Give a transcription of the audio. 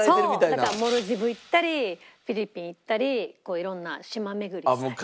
だからモルディブ行ったりフィリピン行ったり色んな島巡りしたり。